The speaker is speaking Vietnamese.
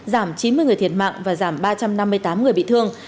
giảm chín mươi người thiệt mạng và giảm ba trăm năm mươi tám người bị thương